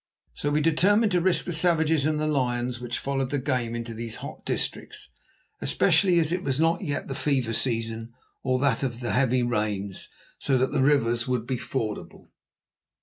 So we determined to risk the savages and the lions which followed the game into these hot districts, especially as it was not yet the fever season or that of the heavy rains, so that the rivers would be fordable.